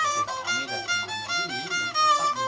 yang dimainkan dengan alat musik profesional konghayan